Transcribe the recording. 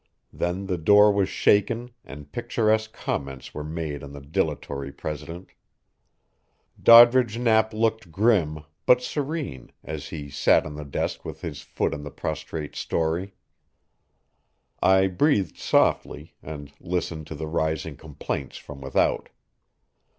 Then the door was shaken and picturesque comments were made on the dilatory president. Doddridge Knapp looked grim, but serene, as he sat on the desk with his foot on the prostrate Storey. I breathed softly, and listened to the rising complaints from without.